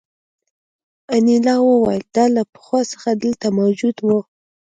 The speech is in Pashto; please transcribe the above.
انیلا وویل دا له پخوا څخه دلته موجود وو